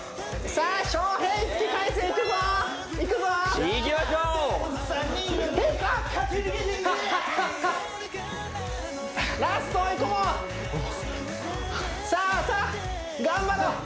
さあさあ頑張ろう！